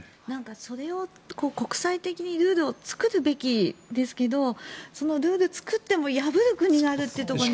それを国際的にルールを作るべきですけどそのルールを作っても破る国があるというところに。